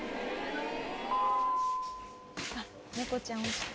あっ猫ちゃん起きた。